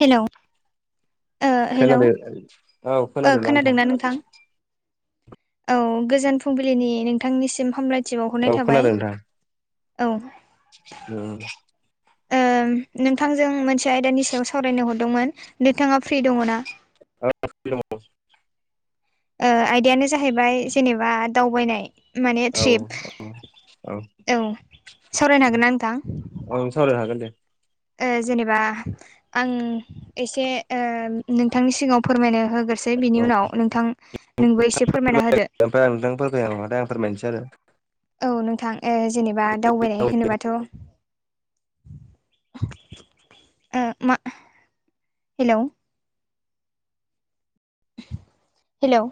Hello hello खोनादो खोनादोंना नोंथां? औ गोजोन फुंबिलिनि नोंथांनिसिम हामलायथि बावहरनाय औ खोनादों थाबाय। नोंथां औ। उम। ओम नोंथांजों मोनसे आयदानि सायाव सावरायनो हरदोंमोन नोंथाङा फ्रि दङ ना? औ। आयदायानो जाहैबाय जेनेबा दावबायनाय माने औ ट्रिप औ सावरायनो हागोन ना नोंथां? औ सावरायनो हागोन दे। जेनेबा आं एसे नोंथांनि सिगाङाव फोरमायनो होगोन। सै बिनि औ उनाव नोंथां नोंबो एसे फोरमायना होदो। ओम आ नोंथां फै आं मालथाय आं फोरमायनोसै आरो औ नोंथां जेनेबा दावबायनाय आरो होनोबाथ' म हेल' हेलौ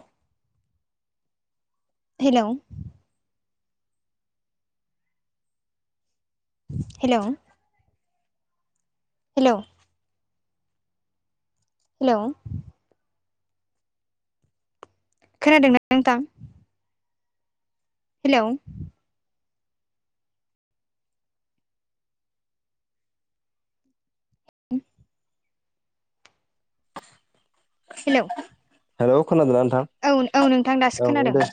हेलौ हेल' हेल' हेल' खोनादों ना नोंथां? हेलौ। [unintelligible] हेल' हेल' खोनादोंना नोंथां? औ औ नोंथां दासो औ औ खोनादों। दे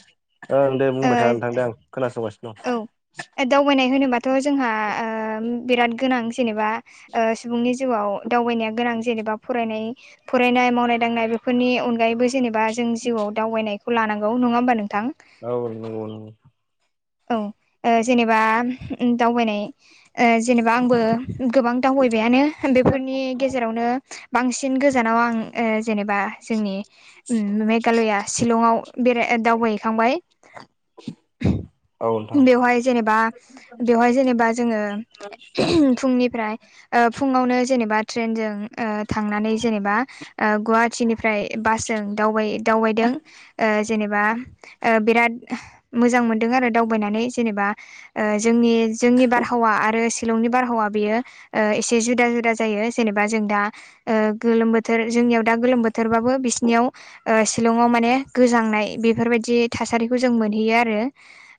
ओं दे ओ बुंबाय थानानै थांदो आं खोनासंगासिनो दं। औ दावबायनाय होनोबाथ' जोंहा बिराद गोनां जेनेबा सुबुंनि जिउआव दावबायनाया गोनां जेनेबा फरायनाय फरायनाय मावनाय दांनाय बेफोरनि अनगायैबो जेनेबा बा जों जिउआव दावबायनायखौ लानांगौ नङा होमबा नोंथां? औ नंगौ नोंथां औ जेनेबा दावबायनाय ओ जेनेबा आंबो गोबां दावबायबायानो। बेफोरनि गेजेरावनो बांसिन गोजानाव आं ओ जेनेबा जोंनि मेघालया शिलंआव बेराय दावबायहैखांबाय। [inaudible] बेवहाय जेनेबा बेवहाय जेनेबा जोङो फुंनिफ्राय ओ फुङावनो जेनेबा ट्रेनजों थांनानै जेनेबा ओ गुवाहाटिनिफ्राय बासजों दावबाय ओ दावबायदों ओ जेनेबा बिराद मोजां मोनदों आरो। दावबायनानै जेनेबा ओ जोंनि जोंनि बारहावा आरो शिलंनि बारहावा बेयो ओ एसे जुदा जुदा जायो जेनेबा जों दा ओ गोलोम बोथोर जोंनियाव दा गोलोम बोथोरबाबो बिसिनियाव शिलंआव माने गोजांनाय बेफोरबायदि थासारिखौ जों मोनहैयो आरो।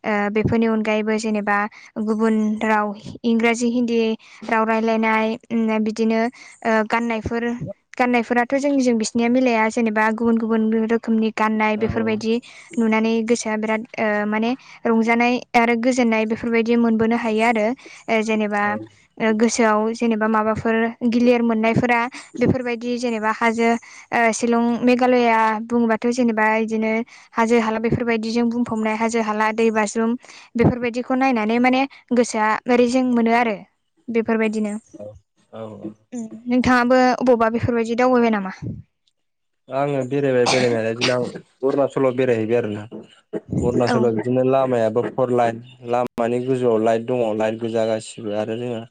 ओ बेफोरनि अनगायैबो जेनेबा गुबुन राव इंराजि हिन्दी राव रायलायनाय बिदिनो ओ गाननायफोर गाननायफोराथ' जोंनिजों बिसनिया मिलाया जेनेबा गुबुन गुबुन रोखोमनि गाननाय औ बेफोरबायदि नुनानै गोसोआ बिराद माने रंजानाय आरो गोजोननाय बेफोरबायदि मोनबोनो हायो आरो जेनेबा औ गोसोआव जेनेबा माबाफोर गिलिर मोननायफोरा बेफोरबायदि जेनेबा हाजो ओ शिलं मेघालया बुङोबाथ' जेनेबा बिदिनो हाजो हाला बेफोरबायदिजों बुंफबनाय हाजो हाला दै बाज्रुम बेफोरबायदिखौ नायनानै माने गोसोआ ओरै जें मोनो आरो। बेफोरबायदिनो औ औ नोंथाङाबो अबावबा बेफोरबायदि दावबायबाय नामा? दा आङो बेरायबाय बेरायनायालाय बिदिन अरुणाचलाव बेरायहैबाय आरोोना औ अरुणाचलाव बिदिनो लामायाबो फर लाइन लामानि गोजौआव लाइट दङ लाइट गोजा गासिबो आरो जोङहा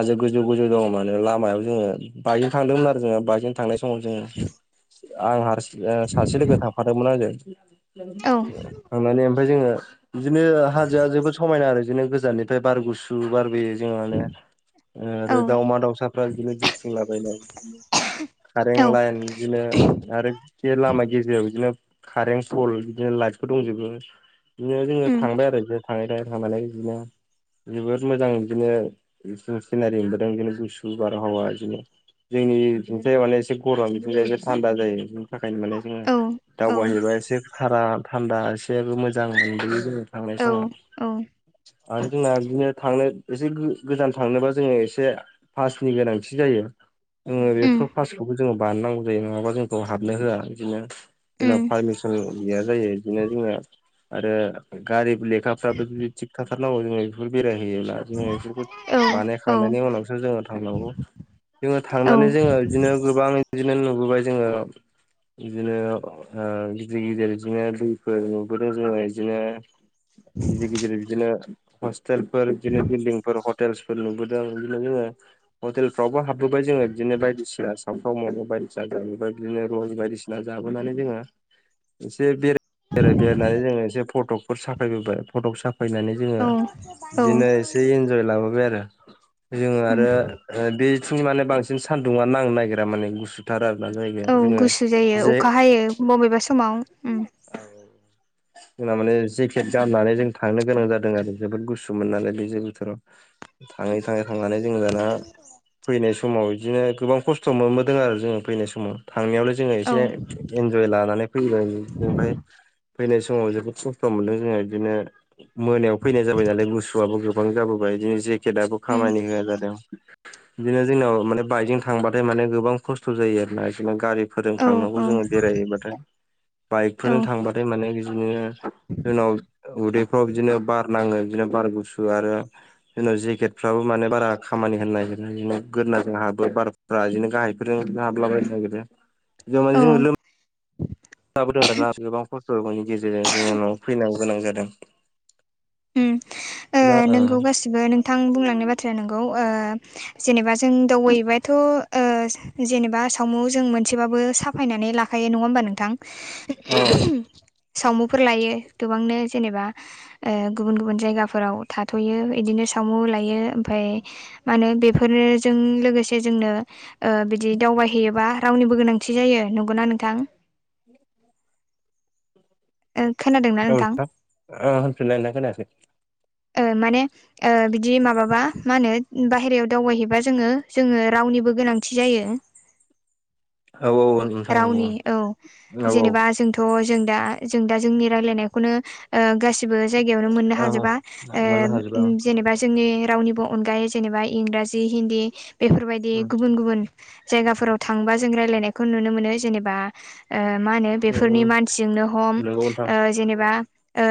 हाजो गोजौ गोजौ दङ माने लामायाव जोङो बाइकजों थांदोंमोन आरो जोङो बाइकजों थांनाय समाव जोङो आं हारसि सासे लोगो थांफादोंमोन आंजों औ मे ओमफफ्राय जोङो बिदिनो हाजोआ जोबोद समायना आरो बिदिनो गोजाननिफ्राय बार गुसु बारबोयो। जों औ दाउमा दाउसा बिदिनो बिथिं लाबायनाय कारन् औ लाइन बिदिनो आरो बे लामा गेजेरायाव बिदिनो कारेन सल बिदिनो लाइटखौ दंजोबो बिदिनो जोङो उम थांबाय आरो बिदिनो थाङै थाङै थांलाय बिदिनो जबोद मोजां बिदिनो सिनारि मोनबोदों बिदिनो गुसु बारहावा बिदिनो जोंनि दुसया माने एसे गरब जसे थान्दा जायो बिनि थाखायनो माने जोङो औ औ दावबायहैबा एसे भारा थान्दा एसेाबबो मोजां मोनबोयो जोङो थांनाय औ समाव औ आरो जोंना बिदिनो थांनो एसे गोजान थांनोबा जोङो एसे पासनि गोनांथि जायोङो उम बेफोर पासखौबो जोङो। बांगौ जायो नङा जोंखौ हाबनो होआ बिदिनो उम जारि गैया जायो बिदिनो जोंना आरो गारिब लेखाफ्राबो जुदि थिग थाथारनांगौ जोङो बेफोर बेरायहैयोब्ला जोङो बेफोरखौ औ औ बानायखांनायनि उनावसो जोङो थांनांगौ जोङो औ थांनानै जोङो बिदिनो। गोबां बिदिनो नुबोबाय जोङो। बिदिनो गिदिर गिदिर बिदिनो दैफोर नुबोदों जोङो बिदिनो। गिदिर गिदिर बिदिनो हस्टेलफोर बिदिनो बिल्डिंफोर हटेलस नंग' दां नोंनि गोसो [inaudible] हटेलफ्रावबो हाबबोबाय जोङो बिदिनो बायदिसिना सावफ्राव म बायदिसिना जबाय बिदिनो रज बायदिसिना। जाबोनानै जोङो एसे बेराय आरो बेरायनानै जोङो एसे फट' फफोर साफायबोबाय फट'खौ साफायनानै जोङो औ बिदिनो एसे इन्जय लाबोबाय आरो। जोङो उम आरो बेथिंनि माने बांसिन सानदुंङआ नांनो नागिरा माने गुसु थार आरोना जायगाया औ जोङो गुसु जायो जे अखा हायो बबेबा समाव उम जोंना माने जेकेट गाननानै जों थांनो गोनां जादों आरो जोबोद गुसु मोन नालाय बे ज बोथोराव। [inaudible] थाङै थाङै थांनानै जोंङो दाना फैनाय समाव बिदिनो गोबां खस‌ सम मोनबोदों आरो जोङो फैनाय समाव। थांनायावलाय जोङो औ एसे इनजय लानानै फैबाय ओमफ्राय। फैनाय समाव जोबोद खस्थ' मोनदों जोङो बिदिनो मोनायाव फैनाय जाबाय नालाय गुसुआबो। गोबां जाबोबाय बिदिनो जेकेटाबो उम खामानि होआ जादों बिदिनो जोंनाव माने बाइकजों थांबा ओफ्राय माने गोबां खस्थ' जायो आरोोना गारि फोरजों औ थांनांगौ औ जोङो बेरायहैबाथाय औ बाइकफोरजों थांबाथाय। ओमफ्राय माने बिदिनो जोंनाव उदैफ्राव बिदिनो बार नाङो बिदिनो बार गुसु आरो। जोंनाव जेकेटफ्राबो माने बारा खामानि होन नागिरा ज गोोरोनना जोंहाबो बार बिदिनो गाहायफोरजों हाबला बायनो नागिरो जों औ माने लोम जाबोदों आरोना गोबां खस्थ'नि गेजेरजों जोङो न' फैनो गोनां जादों दा औ नोंगौ गासिबो नोंथां बुंलांनाय बाथ्राया नोंगौ ओ जेनेबा। जों दावबायहैबाथ' ओ जेनेबा सावु जों मोनसेबाबो साफायनानै लाखायो नङा होमबा नोंथां। औ सावमुफोर लायो गोबांनो जेनेबा। गुबुन गुबुन जायगाफोराव थाथ'यो इदिनो सामु लायो ओमफ्राय। मानो बेफोरनो जों लोगोसे जोंनो। ओ बिदि दावबायहैयोबा रावनिबो गोनांथि जायो नंगौना नोंथां। ओं खोनादों। औ नोंथां होनफिनलायनाय खोनायाखै। ओ माने। ओ बिदि माबाबा मा होनो बाहेरायाव दावबायहैबा जोङो जोङो रावनिबो गोनांथि जायो। औ औ नोंथां रावनि औ नंगौ जेनेबा जों थ' जों दा जों दा जोंनि रायलायनायखौनो ओ गासिबो जायगायावनो मोननो औ हाजोबा ओ मोननो हाजोबा जेनेबा। जोंनि रावनिबो अनगायै जेनेबा इंराजि हिन्दी बेफोरबायदि ओं गुबुन गुबुन। जायगाफोराव थांबा जों रायजलायनायखौ नुनो मोनो जेनेबा। ओ मा होनो उम बेफोरनि उम मानसिजोंनो हम नंगौ नोंथां जेनेबा ओ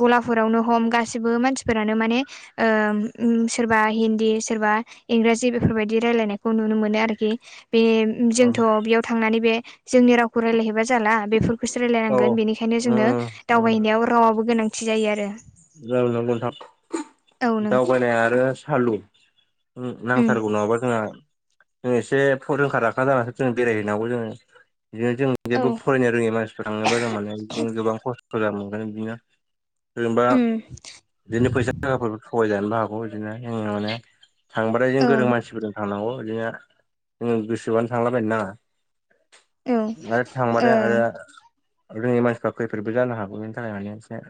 गलाफोरावनो हम गासिबो मानसिफोरानो माने। सोरबा हिन्दी सोरबा। इंराजि बेफोरबायदि रायलायनायखौ नुनो मोनो आरोखि बे ओं जोंथ' बेयाव थांनानै बे जोंनि रावखौ रायलायहैबा जाला बेफोरखौसो औ रायलायनांगोन बेनिखाय -खायनो उम जोंनो औ दावबायनायाव रावाबबो गोनांथि जायो आरो जों नंगौ नोंथां औ नों दावबायनाया आरो सालु उम नांथारगौ नङाबा जोंहा जों एसे रोंखा राखा जानासो जों बेरायहैनांगौ जोङो बिदिनो जों औ जेबो फरायनो रोङै मानसिफोर थाङोबा जों माने बिदिनो गोबां खस्थ' जागोन मोनगोन बिदिनो ओम बिदिनो फैसा थाखाफोरबो थगायजानोबो हागौ बिदिनो ओं माने थांबाथाय जों औ गोरों मानसिफोरजों थांनांगौ बिदिनो जों गोसोबानो थांलाबायनो नाङा। औ ओ थांबाथाय आरो रोङि मानसिफोरा खैफोदबो जानो हागौ बेनि थाखाय माने एसे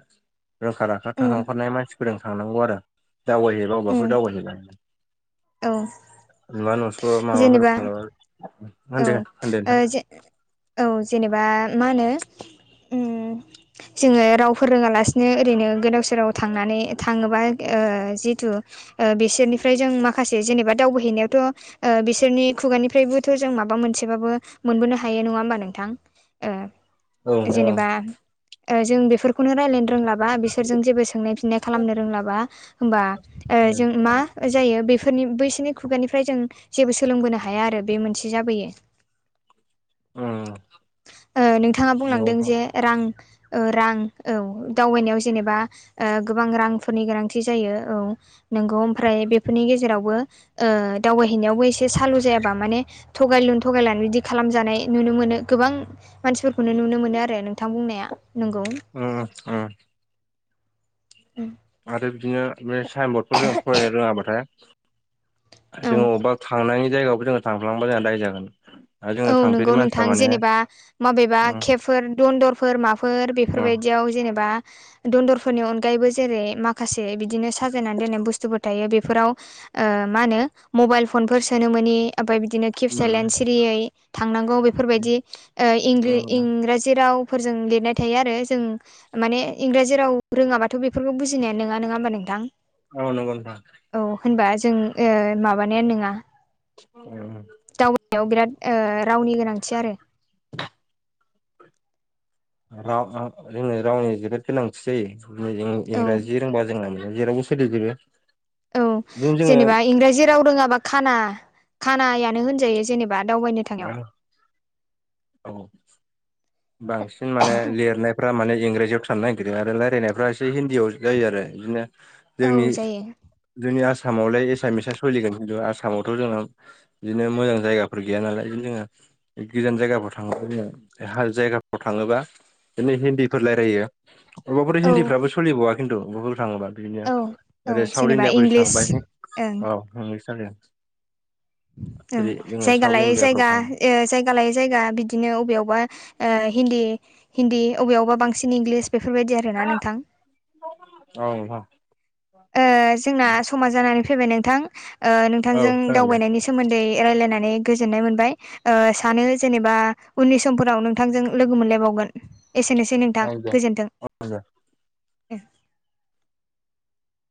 रोंखा रा खा उम थांखांखानाय मानसिफोरजों थांनांगौ आरो दावबायहैबा उम अबेबाफोर दावबायहैबा औ। नुवा नुसवा माबाफोर जेनेबा माबाबा औ ओ जे औ जेनेबा मा होनो ओम जोङो राव फोरोङालासिनो ओरैनो गोदाव सोराव थांनानै थाङोबा जिथु बिसोरनिफ्राय जों माखासे जेनेबा दावबायहैनायावथ' बिसोरनि खुगानिफ्रायबो थ' जों माबा मोनसेबाबो मोनबोनो हायो नङा होमबा नोंथां? औ उम नंगौ जेनेबा जों बेफोरखौनो रायलायनो रोंलाबा बिसोरजों जेबो सोंनाय बिनाय खालामनो रोंलाबा होमबा जों मा जायो बेफोरनि बैसोरनि खुगानिफ्राय जों जेबो सोलोंबोनो हाया आरो बे मोनसे ज नोंथाङा बुंलांदों नोंथां जे रां रां औ दावबायनायाव जेनेबा गोबां रांफोरनि गोनांथि जायो औ। नोंगौ ओमफ्राय बेफोरनि गेजेरावबो दावबायहैनायावबो एसे सालु जायाबा माने थगायलुन थगायला बिदि खालामजानाय नुनो मोनो गोबां मानसिफोरखौनो नुनो मोनो आरो नोंथां बुंनाया नंगौ। उम उम। उम। आरो बिदिनो बे साइन बर्डफोर जों फरायनो रोङाबाथाय औ जोङो अबेबा थांनायनि जायगायावबो जोङो थांफ्लांबा जोंहा दाय जागोन। आरो औ जोङो थांफेरि नोंगौ मानसिफ्रा नोंथां माने जेनेबा माबेबा उम केेबफोर दन्दरफोर माफोर उम बेफोरबायदियाव जेनेबा दन्दरफोरनि अनगायैबो जेरै माखासे बिदिनो साजायनानै दोननाय बुस्थुफोर थायो बेफोराव मा होनो मबाइल फनफोर सोनो मनि ओमफ्राय बिदिनो केब साइलेणड सिरियै थांनांगौ उम बेफोरबायदिं उम इंराजि राव फोरजों लिरनाय थायो आरो जों माने इंराजि राव रोङाबा थ' बेफोरखौ बुजिनाया नङा नङा होमबा नोंथां? औ नंगौ नोंथां औ होनबा जों माबानायानो नङा। [inaudible] दावबायनायाव बिराद रावनि गोनांथि आरो र जोंनो रावनि जोबोद गोनांथि जायो औ इंराजि रोंबा जोंना जेरावबो ख दै ज [unintelligible] औ जेनेबा इंराजि राव रोङाबा खाना खानायानो नो होनजायो जेनेबा दावबायनो थांनायाव औ बांसिन माने लिरनायफ्रा माने इंराजियाव साननो निरदों आरो रायलायनायफ्रा एसे हिन्दीयाव जायो आरो बिदिनो जोंनि औ जायो जोंनि आसामावलाय एसामिसा सोलिगोन खिन्थु आसामावथ' जोंना बिदिनो मोजां जायगाफोर गैया नालाय जोङो गोजान जायगाफोराव थांङोबा जोङो हा जायगाफ्राव थाङोबा बिदिनो हिन्दीफोर रायलायो अबेबाफोर औ हिन्दीफ्राबो सोलिबाववा। खिन्थु ब थाङोबा बिदिनो औ औ ओरै साउथ जेनेबा इण्डियाफोर इंलिस थांबायहाय ओं औ। [unintelligible] ओ जेरै जोङो जायगा साउथ लायो इण्डियाफ्राव जायगा थाङो ओ जाय जायगा लायै जायगा बिदिनो अबेयावबा ओ हिन्दी हिन्दी अबेयावबा बांसिन इंलिस बेफोरबायदि आरोना नोंथां औ नोंथां ओ जोंना समा जानानै फैबाय नोंथां ओ औ नोंथांजों जागोन दे दावबायनायनि सो सोमोन्दै रायलायनानै गोजोननाय मोनबाय ओ सानो जेनेबा उननि समफोराव नोंथांजों लोगो मोनलायबावगोन एसेनोसै सै नोंथां जागोन गोजोन्थों [unintelligible]